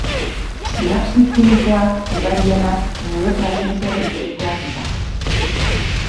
Sinapsi kimikoak, ugarienak, neurotransmisore bidezkoak dira.